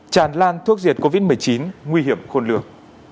tràn lan thuốc diệt covid một mươi chín nguy hiểm khôn lường